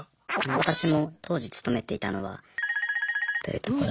私も当時勤めていたのはというところで。